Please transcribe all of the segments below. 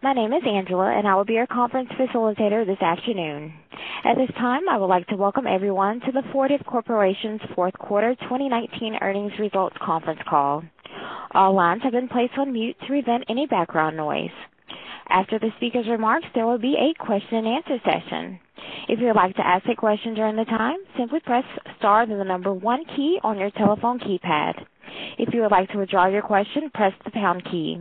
My name is Angela, and I will be your conference facilitator this afternoon. At this time, I would like to welcome everyone to the Fortive Corporation's fourth quarter 2019 earnings results conference call. All lines have been placed on mute to prevent any background noise. After the speaker's remarks, there will be a question-and-answer session. If you would like to ask a question during the time, simply press star, then the number one key on your telephone keypad. If you would like to withdraw your question, press the pound key.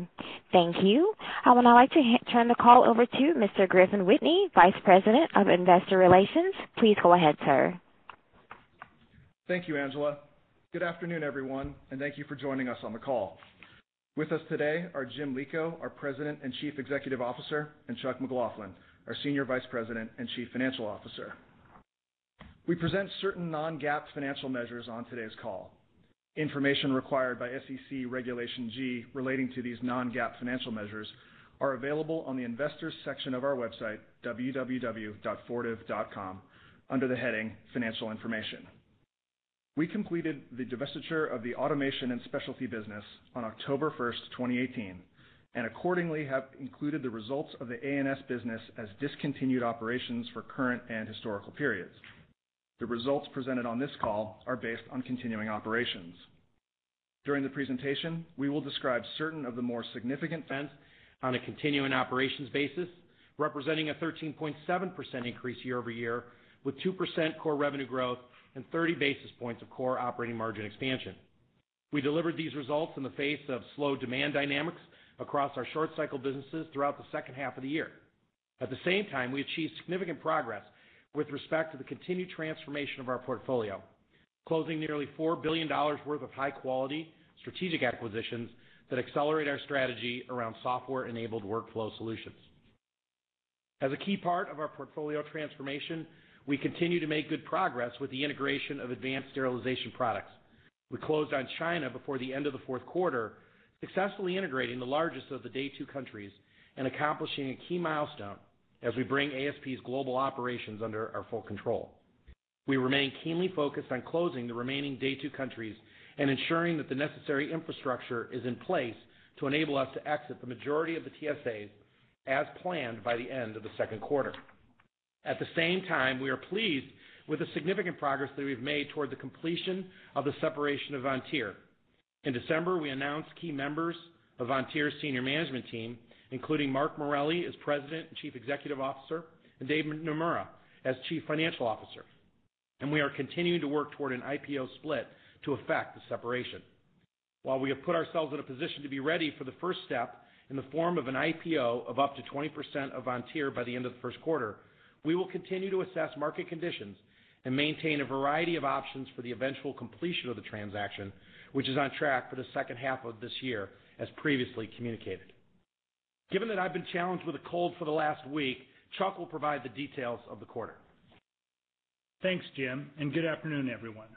Thank you. I would now like to turn the call over to Mr. Griffin Whitney, Vice President of Investor Relations. Please go ahead, sir. Thank you, Angela. Good afternoon, everyone, and thank you for joining us on the call. With us today are Jim Lico, our President and Chief Executive Officer, and Chuck McLaughlin, our Senior Vice President and Chief Financial Officer. We present certain non-GAAP financial measures on today's call. Information required by SEC Regulation G relating to these non-GAAP financial measures are available on the investors section of our website, www.fortive.com, under the heading Financial Information. We completed the divestiture of the Automation & Specialty business on October first, 2018, and accordingly have included the results of the A&S business as discontinued operations for current and historical periods. The results presented on this call are based on continuing operations. During the presentation, we will describe certain of the more significant events on a continuing operations basis, representing a 13.7% increase year-over-year, with 2% core revenue growth and 30 basis points of core operating margin expansion. We delivered these results in the face of slow demand dynamics across our short-cycle businesses throughout the second half of the year. At the same time, we achieved significant progress with respect to the continued transformation of our portfolio, closing nearly $4 billion worth of high-quality strategic acquisitions that accelerate our strategy around software-enabled workflow solutions. As a key part of our portfolio transformation, we continue to make good progress with the integration of Advanced Sterilization Products. We closed on China before the end of the fourth quarter, successfully integrating the largest of the Day Two countries and accomplishing a key milestone as we bring ASP's global operations under our full control. We remain keenly focused on closing the remaining Day Two countries and ensuring that the necessary infrastructure is in place to enable us to exit the majority of the TSAs as planned by the end of the second quarter. At the same time, we are pleased with the significant progress that we've made toward the completion of the separation of Vontier. In December, we announced key members of Vontier's senior management team, including Mark Morelli as President and Chief Executive Officer and Dave Naemura as Chief Financial Officer, and we are continuing to work toward an IPO split to effect the separation. While we have put ourselves in a position to be ready for the first step in the form of an IPO of up to 20% of Vontier by the end of the first quarter, we will continue to assess market conditions and maintain a variety of options for the eventual completion of the transaction, which is on track for the second half of this year, as previously communicated. Given that I've been challenged with a cold for the last week, Chuck will provide the details of the quarter. Thanks, Jim. Good afternoon, everyone.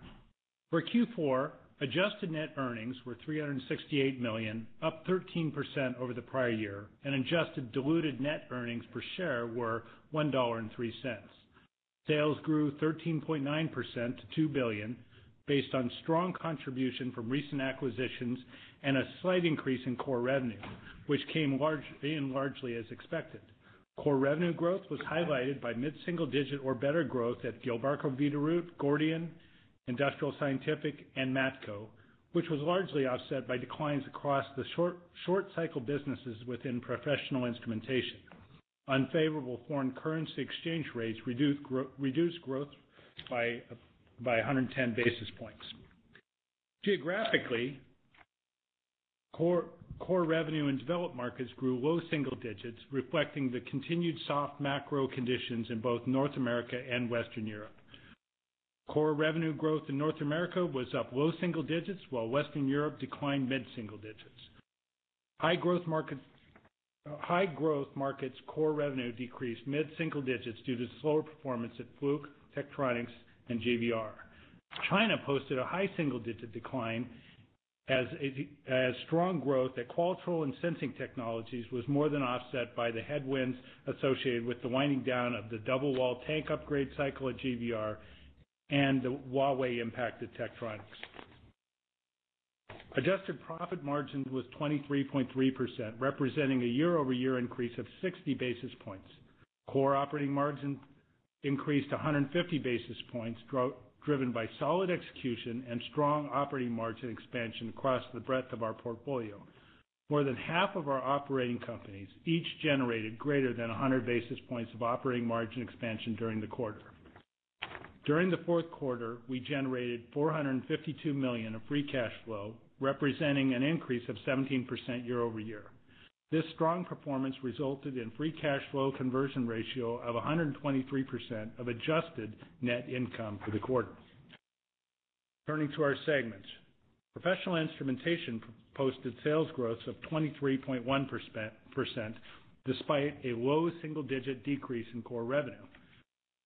For Q4, adjusted net earnings were $368 million, up 13% over the prior year. Adjusted diluted net earnings per share were $1.03. Sales grew 13.9% to $2 billion, based on strong contribution from recent acquisitions and a slight increase in core revenue, which came in largely as expected. Core revenue growth was highlighted by mid-single digit or better growth at Gilbarco Veeder-Root, Gordian, Industrial Scientific, and Matco, which was largely offset by declines across the short cycle businesses within Professional Instrumentation. Unfavorable foreign currency exchange rates reduced growth by 110 basis points. Geographically, core revenue in developed markets grew low single digits, reflecting the continued soft macro conditions in both North America and Western Europe. Core revenue growth in North America was up low single digits, while Western Europe declined mid-single digits. High growth markets core revenue decreased mid-single digits due to slower performance at Fluke, Tektronix, and GVR. China posted a high single-digit decline as strong growth at Qualitrol and Sensing Technologies was more than offset by the headwinds associated with the winding down of the double wall tank upgrade cycle at GVR and the Huawei impact to Tektronix. Adjusted profit margin was 23.3%, representing a year-over-year increase of 60 basis points. Core operating margin increased 150 basis points, driven by solid execution and strong operating margin expansion across the breadth of our portfolio. More than half of our operating companies each generated greater than 100 basis points of operating margin expansion during the quarter. During the fourth quarter, we generated $452 million of free cash flow, representing an increase of 17% year-over-year. This strong performance resulted in free cash flow conversion ratio of 123% of adjusted net income for the quarter. Turning to our segments. Professional Instrumentation posted sales growth of 23.1% despite a low double-digit decrease in core revenue.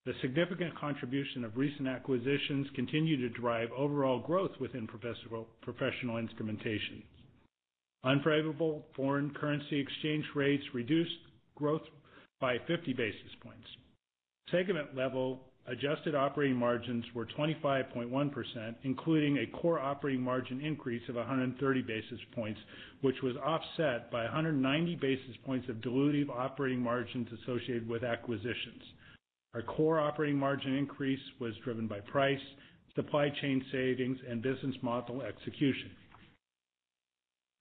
The significant contribution of recent acquisitions continued to drive overall growth within Professional Instrumentation. Unfavorable foreign currency exchange rates reduced growth by 50 basis points. Segment level adjusted operating margins were 25.1%, including a core operating margin increase of 130 basis points, which was offset by 190 basis points of dilutive operating margins associated with acquisitions. Our core operating margin increase was driven by price, supply chain savings, and business model execution.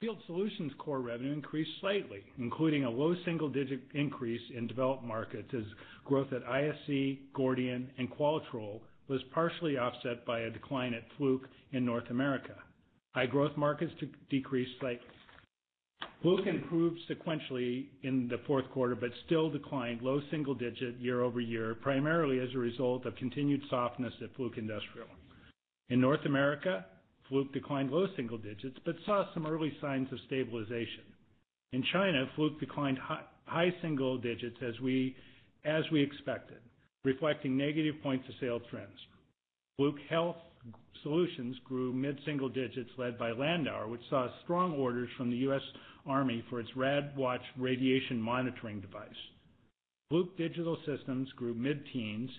Field Solutions core revenue increased slightly, including a low single-digit increase in developed markets as growth at ISC, Gordian, and Qualitrol was partially offset by a decline at Fluke in North America. High growth markets decreased slightly. Fluke improved sequentially in the fourth quarter, but still declined low single digit year-over-year, primarily as a result of continued softness at Fluke Industrial. In North America, Fluke declined low single digits, but saw some early signs of stabilization. In China, Fluke declined high single digits as we expected, reflecting negative point-of-sale trends. Fluke Health Solutions grew mid-single digits led by Landauer, which saw strong orders from the U.S. Army for its RadWatch radiation monitoring device. Fluke Digital Systems grew mid-teens,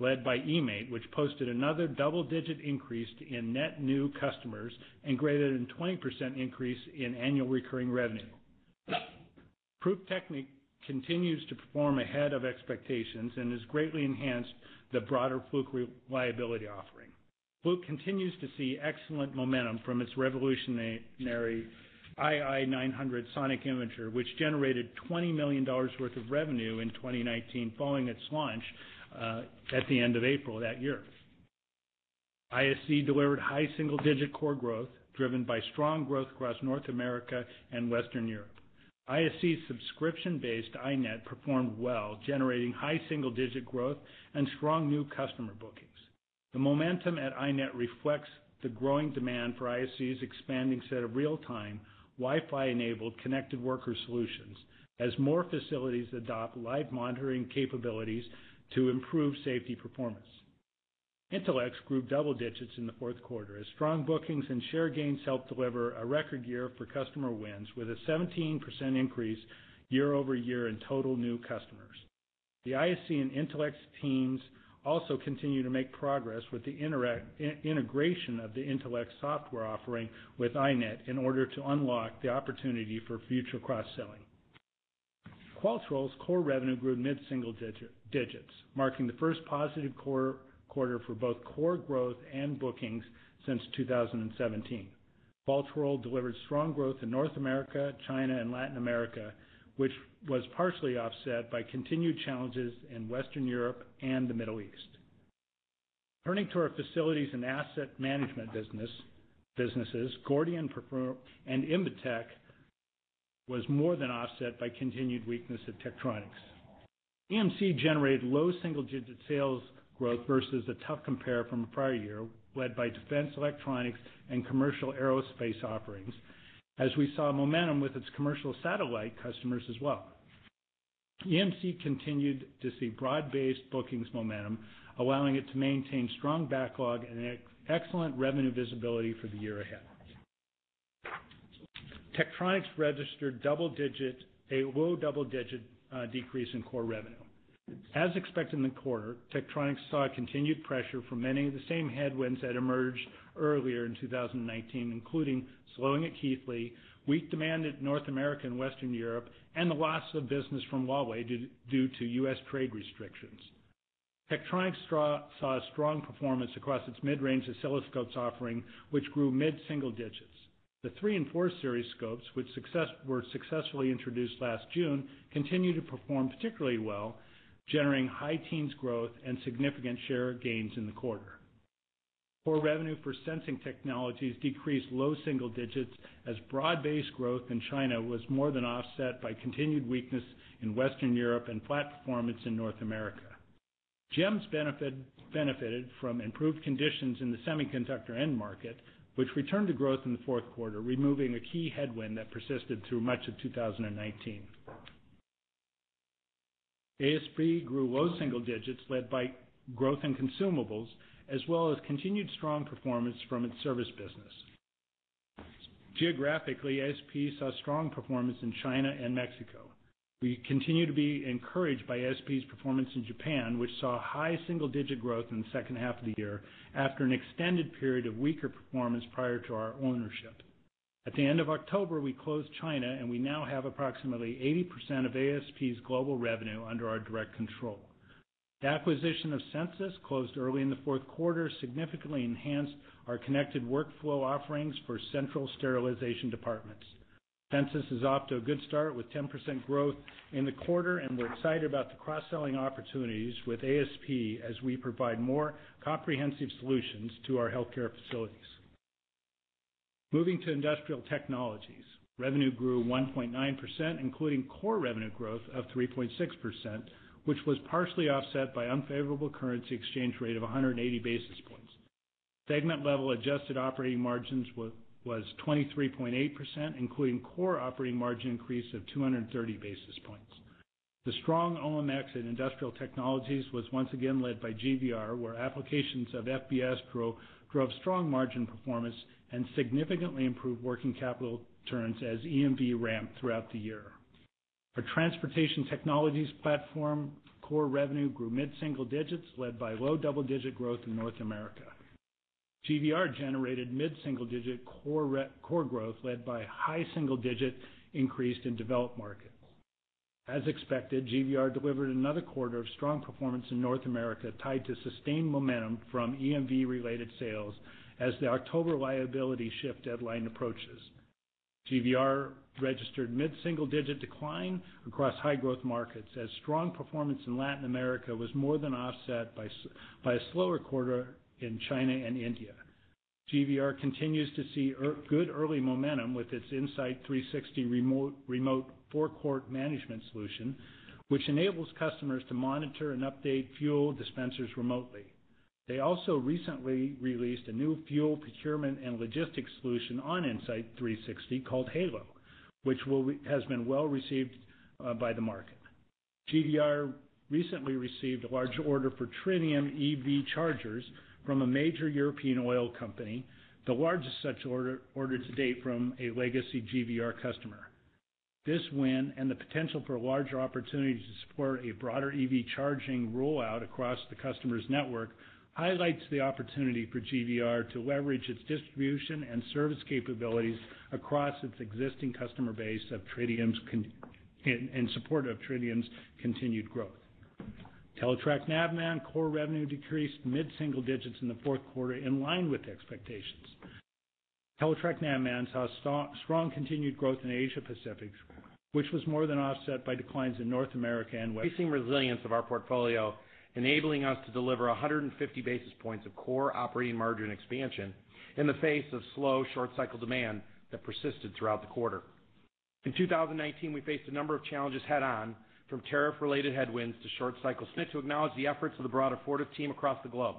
led by eMaint, which posted another double-digit increase in net new customers and greater than 20% increase in annual recurring revenue. Pruftechnik continues to perform ahead of expectations and has greatly enhanced the broader Fluke reliability offering. Fluke continues to see excellent momentum from its revolutionary ii900 Sonic Industrial Imager, which generated $20 million worth of revenue in 2019 following its launch at the end of April that year. ISC delivered high single-digit core growth, driven by strong growth across North America and Western Europe. ISC's subscription-based iNet performed well, generating high single-digit growth and strong new customer bookings. The momentum at iNet reflects the growing demand for ISC's expanding set of real-time, Wi-Fi-enabled connected worker solutions, as more facilities adopt live monitoring capabilities to improve safety performance. Intelex grew double digits in the fourth quarter as strong bookings and share gains helped deliver a record year for customer wins with a 17% increase year-over-year in total new customers. The ISC and Intelex teams also continue to make progress with the integration of the Intelex software offering with iNet in order to unlock the opportunity for future cross-selling. Qualitrol's core revenue grew mid-single digits, marking the first positive quarter for both core growth and bookings since 2017. Qualitrol delivered strong growth in North America, China, and Latin America, which was partially offset by continued challenges in Western Europe and the Middle East. Turning to our facilities and asset management businesses, Gordian and Invetech was more than offset by continued weakness at Tektronix. EMC generated low single-digit sales growth versus a tough compare from the prior year, led by defense electronics and commercial aerospace offerings, as we saw momentum with its commercial satellite customers as well. EMC continued to see broad-based bookings momentum, allowing it to maintain strong backlog and excellent revenue visibility for the year ahead. Tektronix registered a low double-digit decrease in core revenue. As expected in the quarter, Tektronix saw continued pressure from many of the same headwinds that emerged earlier in 2019, including slowing at Keithley, weak demand at North America and Western Europe, and the loss of business from Huawei due to U.S. trade restrictions. Tektronix saw a strong performance across its mid-range oscilloscopes offering, which grew mid-single digits. The three and four series scopes, which were successfully introduced last June, continue to perform particularly well, generating high teens growth and significant share gains in the quarter. Core revenue for Sensing Technologies decreased low single digits as broad-based growth in China was more than offset by continued weakness in Western Europe and flat performance in North America. Gems benefited from improved conditions in the semiconductor end market, which returned to growth in the fourth quarter, removing a key headwind that persisted through much of 2019. ASP grew low single digits led by growth in consumables, as well as continued strong performance from its service business. Geographically, ASP saw strong performance in China and Mexico. We continue to be encouraged by ASP's performance in Japan, which saw high single-digit growth in the second half of the year after an extended period of weaker performance prior to our ownership. At the end of October, we closed China, and we now have approximately 80% of ASP's global revenue under our direct control. The acquisition of Censis closed early in the fourth quarter, significantly enhanced our connected workflow offerings for central sterilization departments. Censis is off to a good start with 10% growth in the quarter, and we're excited about the cross-selling opportunities with ASP as we provide more comprehensive solutions to our healthcare facilities. Moving to Industrial Technologies. Revenue grew 1.9%, including core revenue growth of 3.6%, which was partially offset by unfavorable currency exchange rate of 180 basis points. Segment level adjusted operating margins was 23.8%, including core operating margin increase of 230 basis points. The strong OMX in Industrial Technologies was once again led by GVR, where applications of FBS drove strong margin performance and significantly improved working capital turns as EMV ramped throughout the year. Our transportation technologies platform core revenue grew mid-single digits, led by low double-digit growth in North America. GVR generated mid-single digit core growth, led by high single-digit increase in developed markets. As expected, GVR delivered another quarter of strong performance in North America, tied to sustained momentum from EMV-related sales as the October liability shift deadline approaches. GVR registered mid-single-digit decline across high growth markets as strong performance in Latin America was more than offset by a slower quarter in China and India. GVR continues to see good early momentum with its Insite360 remote forecourt management solution, which enables customers to monitor and update fuel dispensers remotely. They also recently released a new fuel procurement and logistics solution on Insite360 called HALO, which has been well received by the market. GVR recently received a large order for Tritium EV chargers from a major European oil company, the largest such order to date from a legacy GVR customer. This win and the potential for larger opportunities to support a broader EV charging rollout across the customer's network highlights the opportunity for GVR to leverage its distribution and service capabilities across its existing customer base in support of Tritium's continued growth. Teletrac Navman core revenue decreased mid-single digits in the fourth quarter in line with expectations. Teletrac Navman saw strong continued growth in Asia Pacific, which was more than offset by declines in North America. Increasing resilience of our portfolio, enabling us to deliver 150 basis points of core operating margin expansion in the face of slow short-cycle demand that persisted throughout the quarter. In 2019, we faced a number of challenges head on, from tariff-related headwinds to short-cycle snips. To acknowledge the efforts of the broader Fortive team across the globe.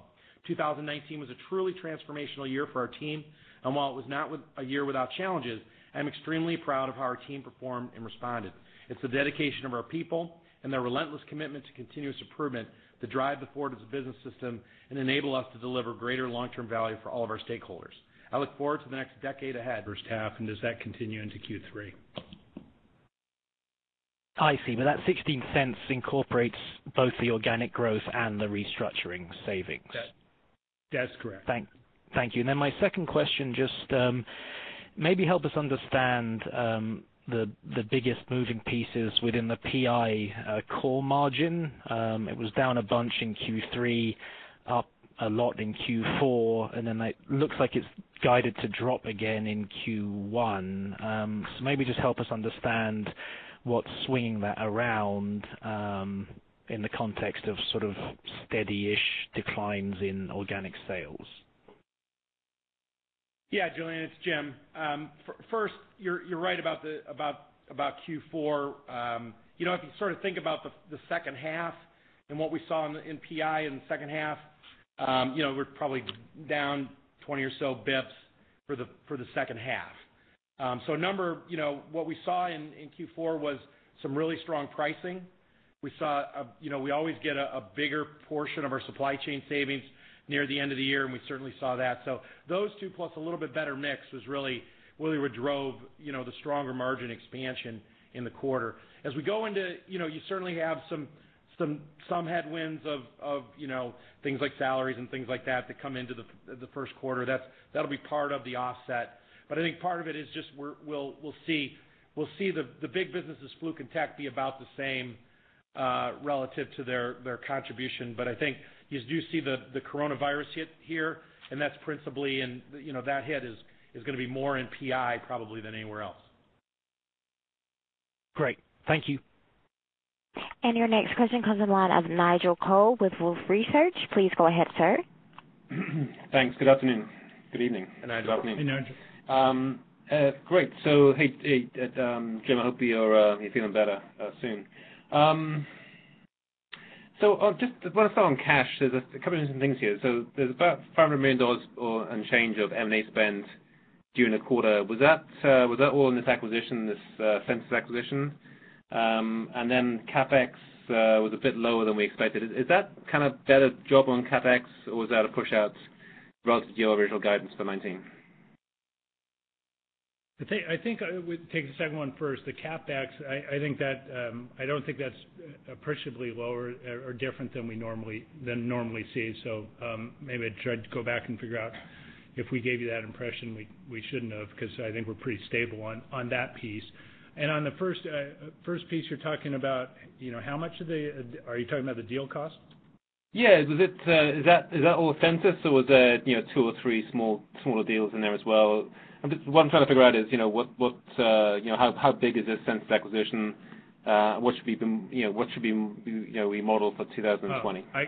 2019 was a truly transformational year for our team, and while it was not a year without challenges, I'm extremely proud of how our team performed and responded. It's the dedication of our people and their relentless commitment to continuous improvement that drive the Fortive's business system and enable us to deliver greater long-term value for all of our stakeholders. I look forward to the next decade ahead. First half, and does that continue into Q3? I see. That $0.16 incorporates both the organic growth and the restructuring savings. That's correct. Thank you. My second question, just maybe help us understand the biggest moving pieces within the PI core margin. It was down a bunch in Q3, up a lot in Q4, it looks like it's guided to drop again in Q1. Maybe just help us understand what's swinging that around in the context of sort of steady-ish declines in organic sales. Yeah, Julian, it's Jim. First, you're right about Q4. If you sort of think about the second half and what we saw in PI in the second half, we're probably down 20 basis points for the second half. What we saw in Q4 was some really strong pricing. We always get a bigger portion of our supply chain savings near the end of the year, and we certainly saw that. Those two plus a little bit better mix was really what drove the stronger margin expansion in the quarter. You certainly have some headwinds of things like salaries and things like that that come into the first quarter. That'll be part of the offset. I think part of it is just we'll see the big businesses, Fluke and Tek, be about the same relative to their contribution. I think you do see the coronavirus hit here, and that hit is going to be more in PI probably than anywhere else. Great. Thank you. Your next question comes on the line of Nigel Coe with Wolfe Research. Please go ahead, sir. Thanks. Good afternoon. Good evening. Good afternoon. Hey, Nigel. Great. Hey, Jim, I hope you're feeling better soon. Just what I saw on cash, there's a couple interesting things here. There's about $500 million and change of M&A spend during the quarter. Was that all in this acquisition, this Censis acquisition? CapEx was a bit lower than we expected. Is that kind of better job on CapEx, or was that a pushout relative to your original guidance for 2019? I think I would take the second one first. The CapEx, I don't think that's appreciably lower or different than normally see. Maybe I'd try to go back and figure out if we gave you that impression. We shouldn't have, because I think we're pretty stable on that piece. On the first piece you're talking about, how much are they? Are you talking about the deal cost? Yeah. Is that all Censis or was there two or three smaller deals in there as well? What I'm trying to figure out is how big is this Censis acquisition? What should we model for 2020? Oh,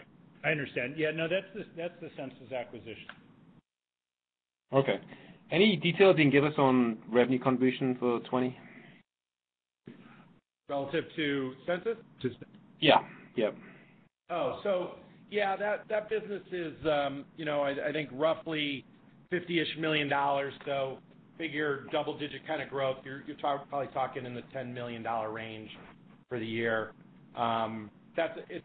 I understand. Yeah, no, that's the Censis acquisition. Okay. Any detail you can give us on revenue contribution for 2020? Relative to Censis? Yeah. Oh, yeah, that business is, I think roughly $50-ish million. Figure double-digit kind of growth. You're probably talking in the $10 million range for the year. It's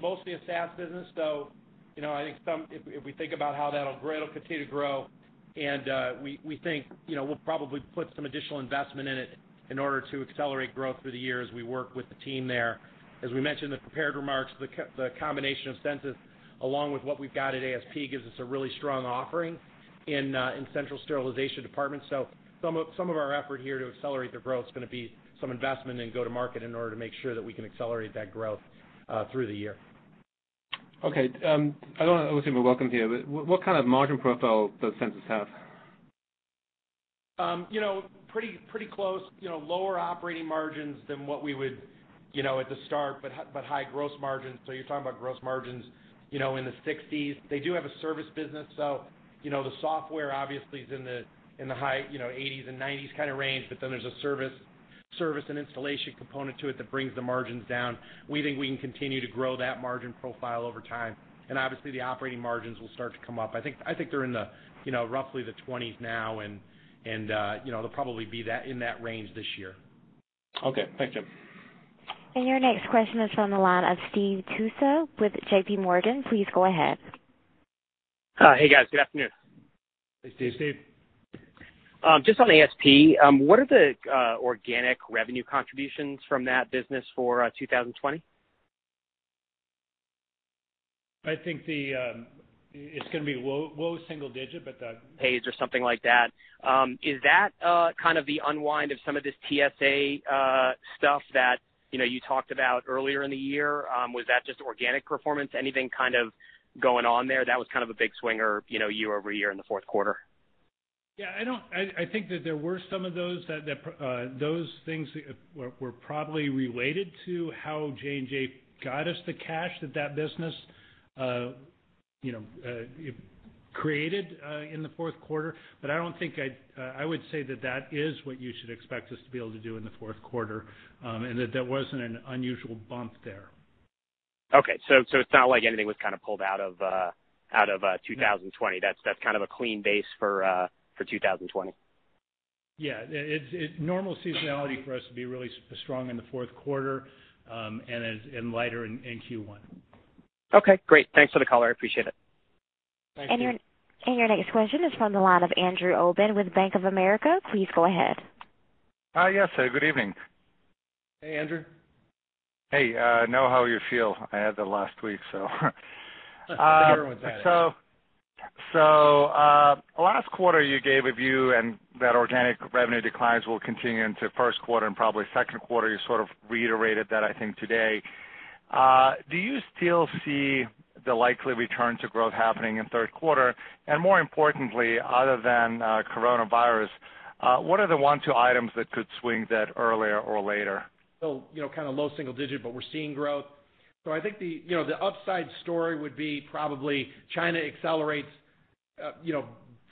mostly a SaaS business. I think if we think about how that'll continue to grow, and we think we'll probably put some additional investment in it in order to accelerate growth through the year as we work with the team there. As we mentioned in the prepared remarks, the combination of Censis along with what we've got at ASP gives us a really strong offering in central sterilization departments. Some of our effort here to accelerate their growth is going to be some investment in go-to-market in order to make sure that we can accelerate that growth through the year. Okay. I don't want to assume you're welcome here, but what kind of margin profile does Censis have? Pretty close. Lower operating margins than what we would at the start, but high growth margins. You're talking about growth margins in the 60s. They do have a service business, so the software obviously is in the high 80s and 90s kind of range, but then there's a service and installation component to it that brings the margins down. We think we can continue to grow that margin profile over time, and obviously the operating margins will start to come up. I think they're in roughly the 20s now, and they'll probably be in that range this year. Okay. Thanks, Jim. Your next question is from the line of Steve Tusa with JPMorgan. Please go ahead. Hey, guys. Good afternoon. Hey, Steve. Steve. Just on ASP, what are the organic revenue contributions from that business for 2020? I think it's going to be low single digit. Something like that. Is that kind of the unwind of some of this TSA stuff that you talked about earlier in the year? Was that just organic performance? Anything kind of going on there that was kind of a big swinger, year-over-year in the fourth quarter? Yeah, I think that there were some of those. Those things were probably related to how J&J got us the cash that that business created in the fourth quarter. I would say that that is what you should expect us to be able to do in the fourth quarter, and that there wasn't an unusual bump there. Okay, it's not like anything was kind of pulled out of 2020. No. That's kind of a clean base for 2020. Yeah. It's normal seasonality for us to be really strong in the fourth quarter, and lighter in Q1. Okay, great. Thanks for the color. I appreciate it. Thank you. Your next question is from the line of Andrew Obin with Bank of America. Please go ahead. Yes. Good evening. Hey, Andrew. Hey. I know how you feel. I had the last week, so I remember what that is. Last quarter, you gave a view and that organic revenue declines will continue into first quarter and probably second quarter. You sort of reiterated that, I think, today. Do you still see the likely return to growth happening in third quarter? More importantly, other than coronavirus, what are the one, two items that could swing that earlier or later? Kind of low single digit, but we're seeing growth. I think the upside story would be probably China accelerates,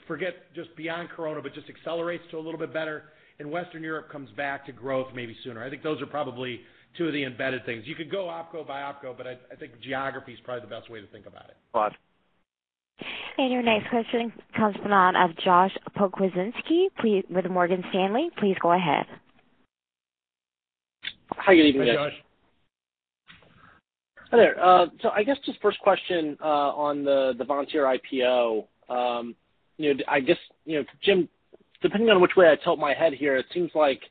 forget just beyond corona, but just accelerates to a little bit better, and Western Europe comes back to growth maybe sooner. I think those are probably two of the embedded things. You could go opco by opco, but I think geography is probably the best way to think about it. Right. Your next question comes from the line of Josh Pokrzywinski with Morgan Stanley. Please go ahead. Hi, good evening, guys. Hey, Josh. Hi there. I guess just first question on the Vontier IPO. I guess, Jim, depending on which way I tilt my head here, it seems like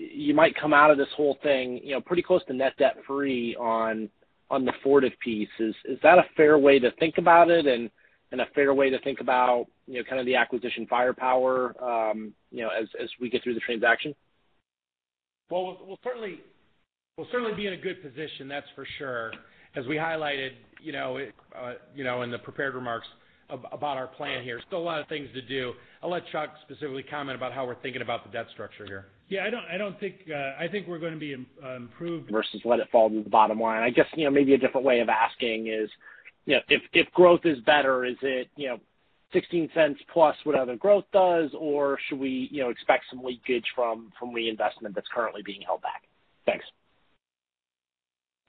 you might come out of this whole thing pretty close to net debt free on the Fortive piece. Is that a fair way to think about it, and a fair way to think about kind of the acquisition firepower as we get through the transaction? Well, we'll certainly be in a good position, that's for sure. As we highlighted in the prepared remarks about our plan here, still a lot of things to do. I'll let Chuck specifically comment about how we're thinking about the debt structure here. Yeah, I think we're going to be. Versus let it fall to the bottom line. I guess maybe a different way of asking is, if growth is better, is it $0.16+ what other growth does, or should we expect some leakage from reinvestment that's currently being held back? Thanks.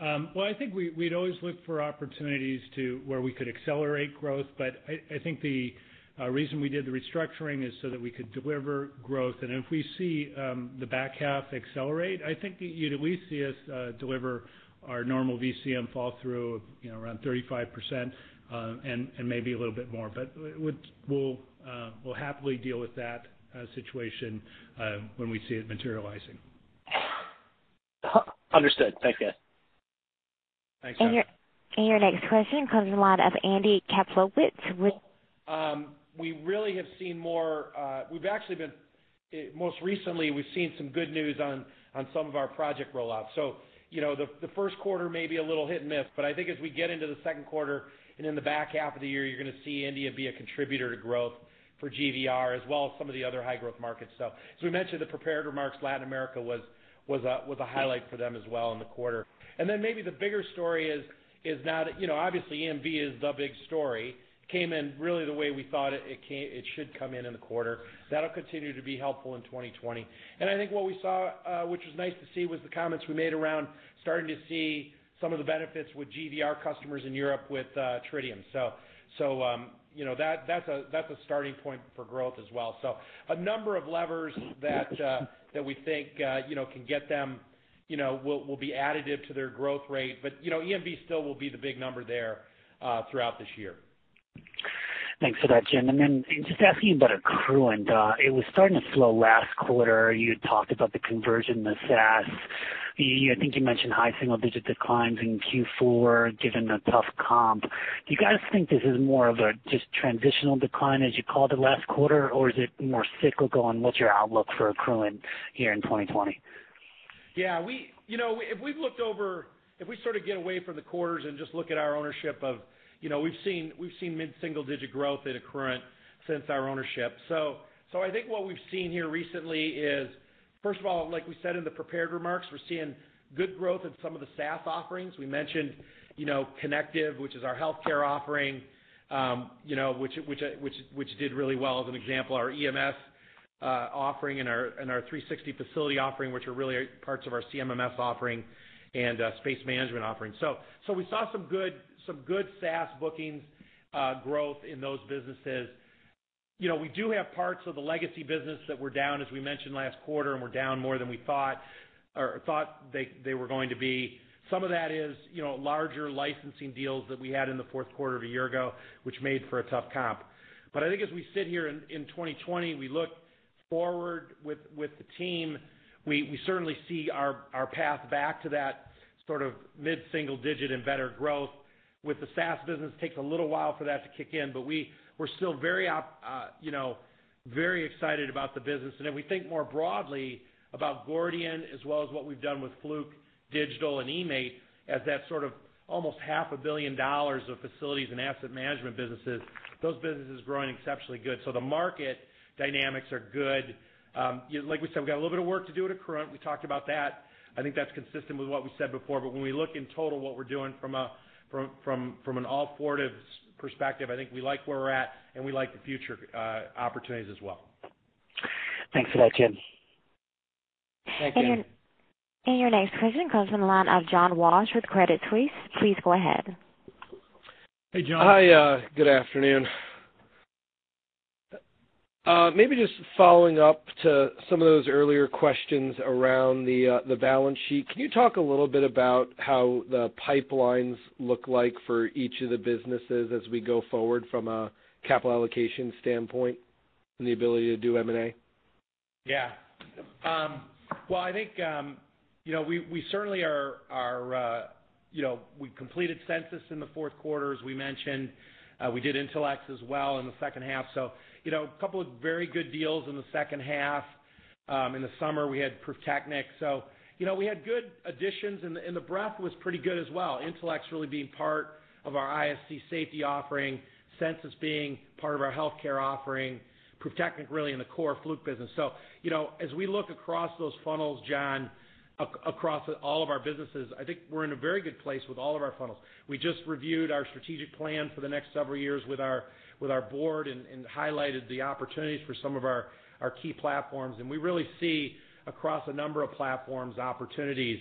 Well, I think we'd always look for opportunities to where we could accelerate growth, but I think the reason we did the restructuring is so that we could deliver growth. If we see the back half accelerate, I think you'd at least see us deliver our normal VCM fall through of around 35%, and maybe a little bit more. We'll happily deal with that situation when we see it materializing. Understood. Thanks, guys. Thanks. Your next question comes in line of Andrew Kaplowitz with Citigroup. Most recently, we've seen some good news on some of our project roll-outs. The first quarter may be a little hit-and-miss, but I think as we get into the second quarter and in the back half of the year, you're going to see India be a contributor to growth for GVR as well as some of the other high-growth markets. As we mentioned in the prepared remarks, Latin America was a highlight for them as well in the quarter. Maybe the bigger story is. Obviously, EMV is the big story. Came in really the way we thought it should come in in the quarter. That'll continue to be helpful in 2020. I think what we saw, which was nice to see, was the comments we made around starting to see some of the benefits with GVR customers in Europe with Tritium. That's a starting point for growth as well. A number of levers that we think will be additive to their growth rate. EMV still will be the big number there throughout this year. Thanks for that, Jim. Just asking you about Accruent. It was starting to slow last quarter. You had talked about the conversion, the SaaS. I think you mentioned high single-digit declines in Q4, given the tough comp. Do you guys think this is more of a just transitional decline as you called it last quarter, or is it more cyclical, and what's your outlook for Accruent here in 2020? If we sort of get away from the quarters and just look at our ownership, we've seen mid-single digit growth at Accruent since our ownership. I think what we've seen here recently is, first of all, like we said in the prepared remarks, we're seeing good growth in some of the SaaS offerings. We mentioned Connectiv, which is our healthcare offering, which did really well as an example. Our EMS offering and our 360 facility offering, which are really parts of our CMMS offering and space management offering. We saw some good SaaS bookings growth in those businesses. We do have parts of the legacy business that were down, as we mentioned last quarter, and were down more than we thought they were going to be. Some of that is larger licensing deals that we had in the fourth quarter of a year ago, which made for a tough comp. I think as we sit here in 2020, we look forward with the team, we certainly see our path back to that sort of mid-single digit and better growth. With the SaaS business, takes a little while for that to kick in, but we're still very excited about the business. If we think more broadly about Gordian as well as what we've done with Fluke Digital and eMaint, as that sort of almost $0.5 billion of facilities and asset management businesses, those businesses are growing exceptionally good. The market dynamics are good. Like we said, we've got a little bit of work to do at Accruent. We talked about that. I think that's consistent with what we said before. When we look in total what we're doing from an all Fortive perspective, I think we like where we're at, and we like the future opportunities as well. Thanks for that, Jim. Thank you. Your next question comes from the line of John Walsh with Credit Suisse. Please go ahead. Hey, John. Hi, good afternoon. Maybe just following up to some of those earlier questions around the balance sheet. Can you talk a little bit about how the pipelines look like for each of the businesses as we go forward from a capital allocation standpoint and the ability to do M&A? Well, I think we completed Censis in the fourth quarter, as we mentioned. We did Intelex as well in the second half. A couple of very good deals in the second half. In the summer, we had Pruftechnik. We had good additions, and the breadth was pretty good as well. Intelex really being part of our ISC safety offering, Censis being part of our healthcare offering, Pruftechnik really in the core Fluke business. As we look across those funnels, John, across all of our businesses, I think we're in a very good place with all of our funnels. We just reviewed our strategic plan for the next several years with our board and highlighted the opportunities for some of our key platforms. We really see across a number of platforms, opportunities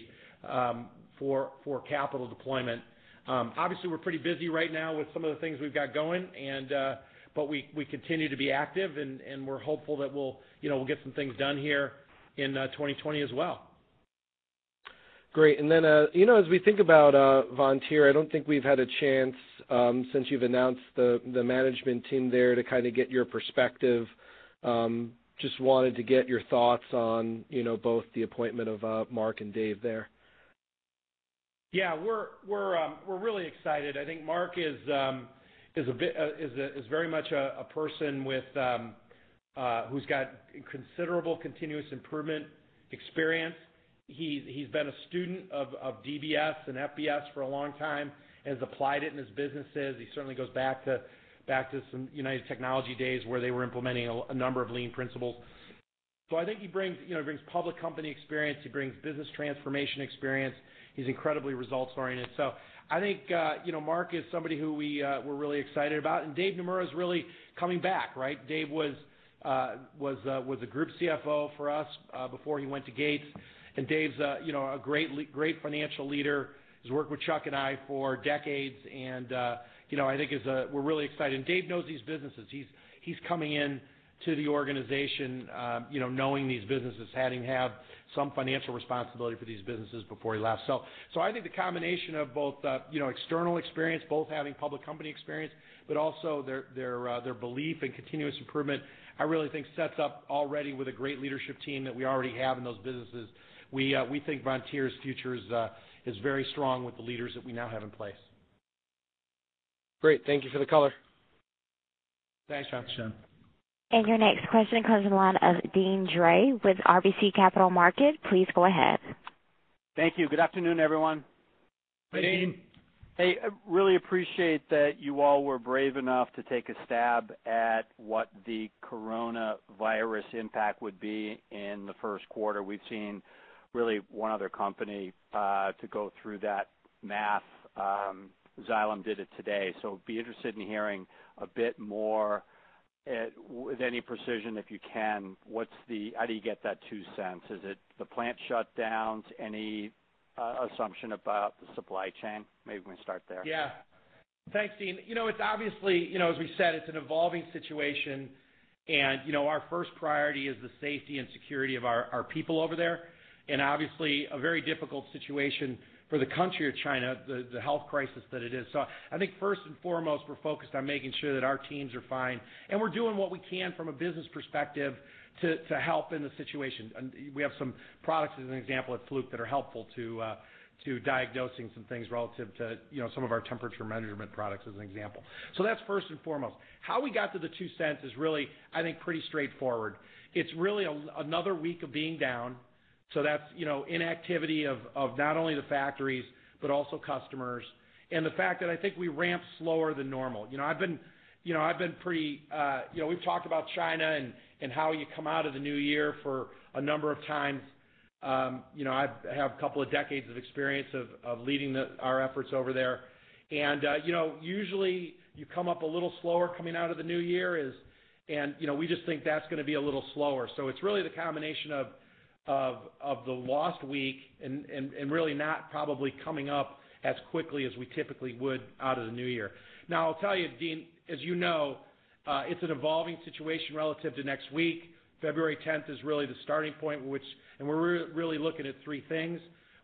for capital deployment. Obviously, we're pretty busy right now with some of the things we've got going, but we continue to be active, and we're hopeful that we'll get some things done here in 2020 as well. Great. As we think about Vontier, I don't think we've had a chance since you've announced the management team there to kind of get your perspective. Just wanted to get your thoughts on both the appointment of Mark and Dave there. Yeah. We're really excited. I think Mark is very much a person who's got considerable continuous improvement experience. He's been a student of DBS and FBS for a long time, has applied it in his businesses. He certainly goes back to some United Technologies days where they were implementing a number of lean principles. He brings public company experience. He brings business transformation experience. He's incredibly results-oriented. Mark is somebody who we're really excited about. Dave Naemura is really coming back, right? Dave was the group CFO for us before he went to Gates. Dave's a great financial leader. He's worked with Chuck and I for decades, and I think we're really excited. Dave knows these businesses. He's coming in to the organization knowing these businesses, having had some financial responsibility for these businesses before he left. I think the combination of both external experience, both having public company experience, but also their belief in continuous improvement, I really think sets up already with a great leadership team that we already have in those businesses. We think Vontier's future is very strong with the leaders that we now have in place. Great. Thank you for the color. Thanks, John. Your next question comes from the line of Deane Dray with RBC Capital Markets. Please go ahead. Thank you. Good afternoon, everyone. Hey. I really appreciate that you all were brave enough to take a stab at what the coronavirus impact would be in the first quarter. We've seen really one other company to go through that math. Xylem did it today. Be interested in hearing a bit more, with any precision, if you can, how do you get that $0.02? Is it the plant shutdowns? Any assumption about the supply chain? Maybe we can start there. Yeah. Thanks, Deane. As we said, it's an evolving situation. Our first priority is the safety and security of our people over there. Obviously, a very difficult situation for the country of China, the health crisis that it is. I think first and foremost, we're focused on making sure that our teams are fine, and we're doing what we can from a business perspective to help in the situation. We have some products, as an example, at Fluke, that are helpful to diagnosing some things relative to some of our temperature measurement products, as an example. That's first and foremost. How we got to the $0.02 is really, I think, pretty straightforward. It's really another week of being down. That's inactivity of not only the factories, but also customers. The fact that I think we ramped slower than normal. We've talked about China and how you come out of the new year for a number of times. I have a couple of decades of experience of leading our efforts over there. Usually you come up a little slower coming out of the new year, and we just think that's going to be a little slower. It's really the combination of the lost week and really not probably coming up as quickly as we typically would out of the new year. Now, I'll tell you, Deane, as you know, it's an evolving situation relative to next week. February 10th is really the starting point, and we're really looking at three things.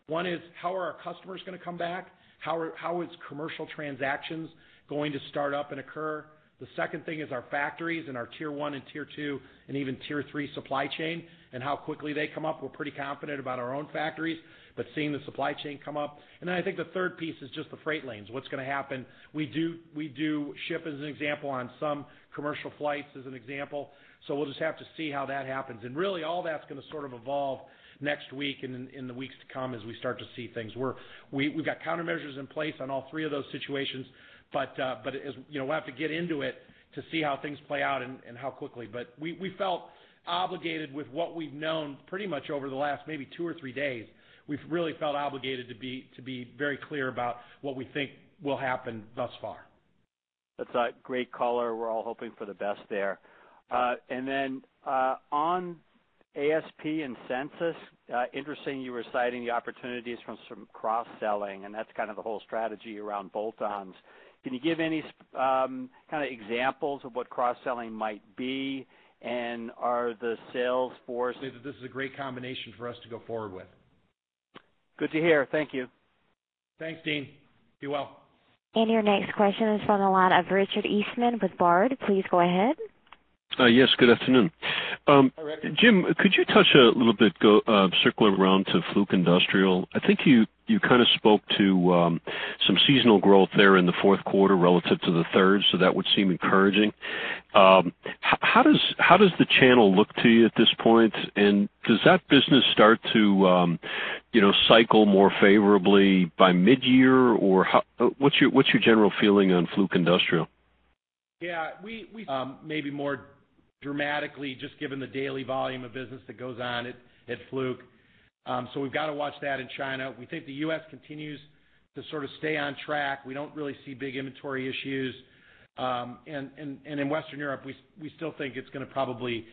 One is, how are our customers going to come back? How is commercial transactions going to start up and occur? The second thing is our factories and our Tier 1 and Tier 2, and even Tier 3 supply chain, and how quickly they come up. We're pretty confident about our own factories, but seeing the supply chain come up. Then I think the third piece is just the freight lanes. What's going to happen? We do ship, as an example, on some commercial flights, as an example. So we'll just have to see how that happens. Really, all that's going to sort of evolve next week and in the weeks to come as we start to see things. We've got countermeasures in place on all three of those situations, but we'll have to get into it to see how things play out and how quickly. We felt obligated with what we've known pretty much over the last maybe two or three days, we've really felt obligated to be very clear about what we think will happen thus far. That's a great color. We're all hoping for the best there. On ASP and Censis, interesting you were citing the opportunities from some cross-selling, and that's kind of the whole strategy around bolt-ons. Can you give any kind of examples of what cross-selling might be? Are the sales force? This is a great combination for us to go forward with. Good to hear. Thank you. Thanks, Deane. Be well. Your next question is from the line of Richard Eastman with Baird. Please go ahead. Yes, good afternoon. Hi, Richard. Jim, could you touch a little bit, circling around to Fluke Industrial? I think you kind of spoke to some seasonal growth there in the fourth quarter relative to the third, so that would seem encouraging. How does the channel look to you at this point? Does that business start to cycle more favorably by mid-year, or what's your general feeling on Fluke Industrial? Yeah. Maybe more dramatically, just given the daily volume of business that goes on at Fluke. We've got to watch that in China. We think the U.S. continues to sort of stay on track. We don't really see big inventory issues. In Western Europe, we still think it's going to probably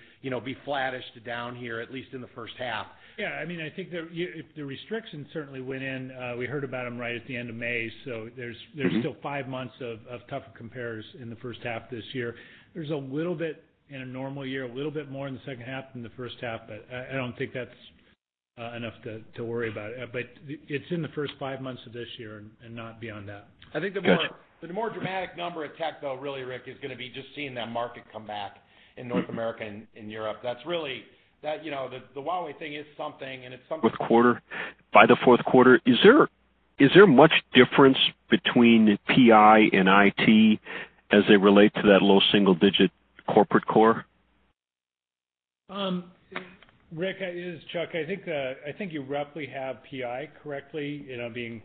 be flattish to down here, at least in the first half. Yeah, I think the restrictions certainly went in, we heard about them right at the end of May, so there's still five months of tougher compares in the first half this year. There's, in a normal year, a little bit more in the second half than the first half, but I don't think that's enough to worry about. It's in the first five months of this year and not beyond that. I think the more dramatic number at Tech though, really, Rick, is going to be just seeing that market come back in North America and in Europe. The Huawei thing is something. Fourth quarter. By the fourth quarter, is there much difference between PI and IT as they relate to that low single digit corporate core? Rick, it is Chuck. I think you roughly have PI correctly, being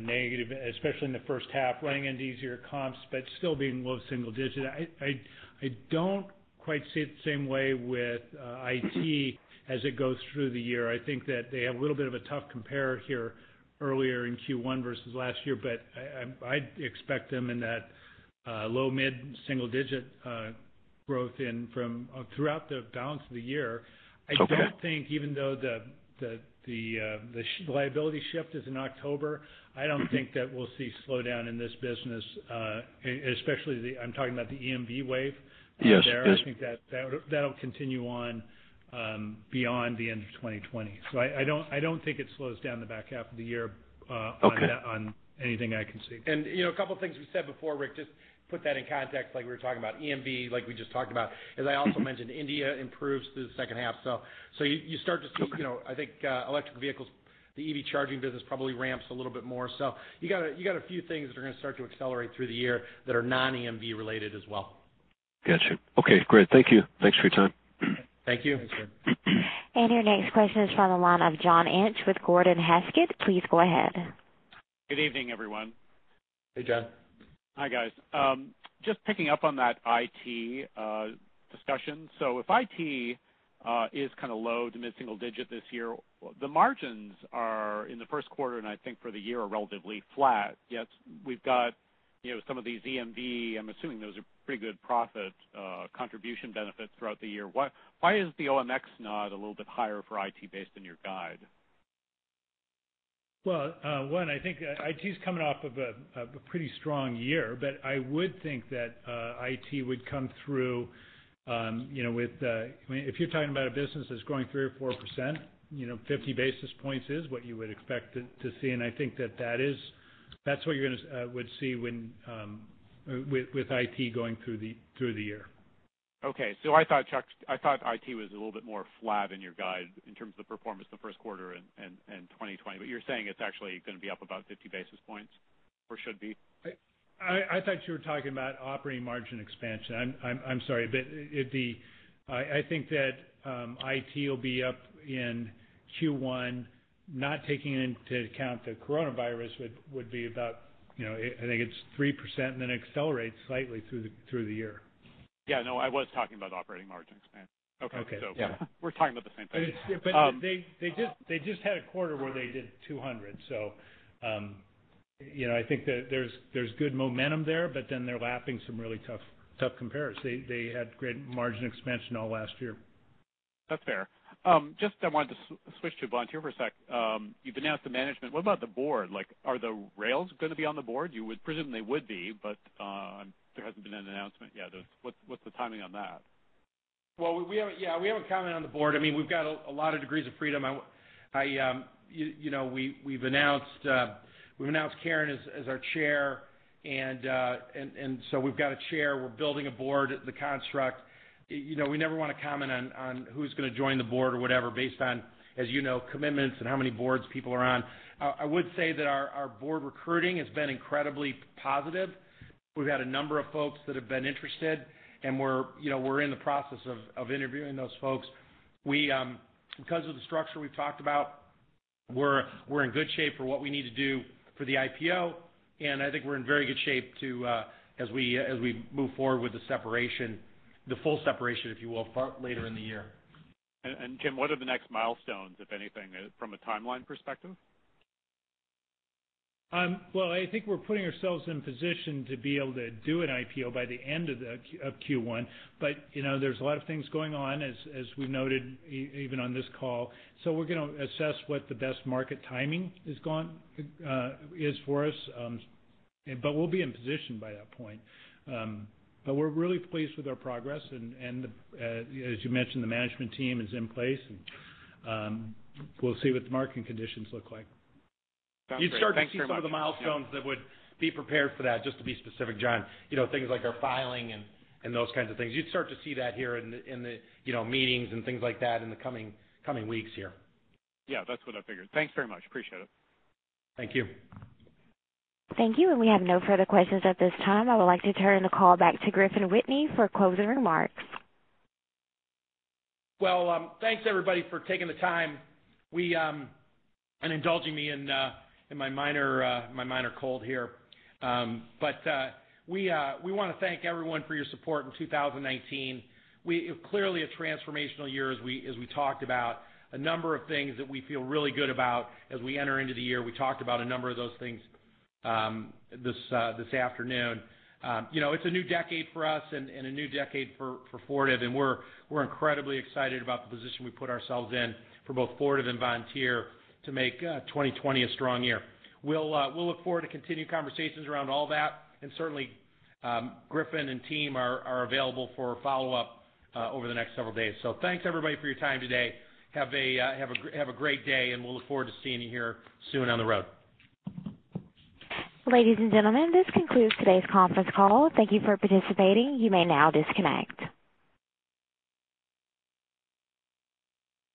negative, especially in the first half, running into easier comps, but still being low single digit. I don't quite see it the same way with IT as it goes through the year. I think that they have a little bit of a tough compare here earlier in Q1 versus last year, but I'd expect them in that low mid-single digit growth throughout the balance of the year. Okay. I don't think, even though the liability shift is in October, I don't think that we'll see slowdown in this business, especially I'm talking about the EMV wave there. Yes. I think that'll continue on beyond the end of 2020. I don't think it slows down the back half of the year. Okay on anything I can see. A couple of things we said before, Rick, just put that in context, like we were talking about EMV, like we just talked about. As I also mentioned, India improves through the second half. You start to see, I think, electric vehicles, the EV charging business probably ramps a little bit more. You got a few things that are going to start to accelerate through the year that are non-EMV related as well. Got you. Okay, great. Thank you. Thanks for your time. Thank you. Thanks, Rick. Your next question is from the line of John Inch with Gordon Haskett. Please go ahead. Good evening, everyone. Hey, John. Hi, guys. Just picking up on that IT discussion. If IT is kind of low to mid-single digit this year, the margins are in the first quarter, and I think for the year, are relatively flat. Yet we've got some of these EMV, I'm assuming those are pretty good profit contribution benefits throughout the year. Why is the OMX nod a little bit higher for IT based on your guide? One, I think IT is coming off of a pretty strong year, but I would think that IT would come through. If you're talking about a business that's growing 3% or 4%, 50 basis points is what you would expect to see, and I think that's what you would see with IT going through the year. Okay. I thought, Chuck, IT was a little bit more flat in your guide in terms of the performance the first quarter in 2020. You're saying it's actually going to be up about 50 basis points, or should be? I thought you were talking about operating margin expansion. I'm sorry. I think that IT will be up in Q1, not taking into account the coronavirus, would be about 3%, and then accelerates slightly through the year. Yeah. No, I was talking about operating margin expansion. Okay. We're talking about the same thing. They just had a quarter where they did 200. I think that there's good momentum there, they're lapping some really tough comparison. They had great margin expansion all last year. That's fair. I wanted to switch to Vontier for a sec. You've announced the management. What about the board? Are the rails going to be on the board? You would presume they would be, there hasn't been an announcement yet. What's the timing on that? Well, we haven't commented on the board. We've got a lot of degrees of freedom. We've announced Karen as our chair, and so we've got a chair. We're building a board, the construct. We never want to comment on who's going to join the board or whatever based on commitments and how many boards people are on. I would say that our board recruiting has been incredibly positive. We've had a number of folks that have been interested, and we're in the process of interviewing those folks. Because of the structure we've talked about, we're in good shape for what we need to do for the IPO, and I think we're in very good shape as we move forward with the separation, the full separation, if you will, later in the year. Jim, what are the next milestones, if anything, from a timeline perspective? I think we're putting ourselves in position to be able to do an IPO by the end of Q1. There's a lot of things going on, as we've noted, even on this call. We're going to assess what the best market timing is for us. We'll be in position by that point. We're really pleased with our progress. As you mentioned, the management team is in place, and we'll see what the market conditions look like. You'd start to see some of the milestones that would be prepared for that, just to be specific, John. Things like our filing and those kinds of things. You'd start to see that here in the meetings and things like that in the coming weeks here. Yeah, that's what I figured. Thanks very much. Appreciate it. Thank you. Thank you. We have no further questions at this time. I would like to turn the call back to Griffin Whitney for closing remarks. Well, thanks everybody for taking the time and indulging me in my minor cold here. We want to thank everyone for your support in 2019. Clearly a transformational year as we talked about a number of things that we feel really good about as we enter into the year. We talked about a number of those things this afternoon. It's a new decade for us and a new decade for Fortive, and we're incredibly excited about the position we put ourselves in for both Fortive and Vontier to make 2020 a strong year. We'll look forward to continued conversations around all that. Certainly, Griffin and team are available for follow-up over the next several days. Thanks everybody for your time today. Have a great day, and we'll look forward to seeing you here soon on the road. Ladies and gentlemen, this concludes today's conference call. Thank you for participating. You may now disconnect.